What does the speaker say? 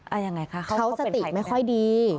อ่ายังไงคะเขาเขาเป็นใครเขาสติไม่ค่อยดีอ๋อ